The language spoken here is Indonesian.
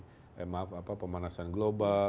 disrupsi emang apa pemanasan global